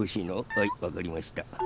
はいわかりました。